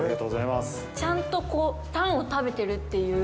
ちゃんとタンを食べてるっていう。